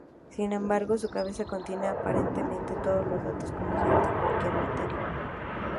Sin embargo, su cabeza contiene aparentemente todos los datos conocidos de cualquier materia.